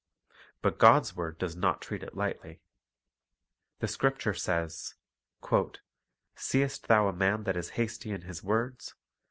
But God's word does not treat it lightly. The Scripture says :— "Seest thou a man that is hasty in his words?